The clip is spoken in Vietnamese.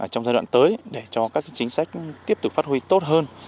trong giai đoạn tới để cho các chính sách tiếp tục phát huy tốt hơn